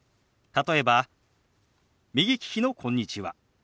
例えば右利きの「こんにちは」。